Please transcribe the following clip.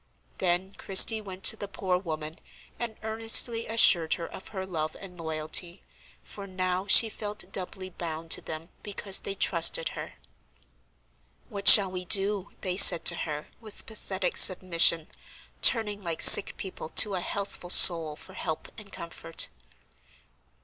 Then Christie went to the poor woman, and earnestly assured her of her love and loyalty; for now she felt doubly bound to them because they trusted her. "What shall we do?" they said to her, with pathetic submission, turning like sick people to a healthful soul for help and comfort.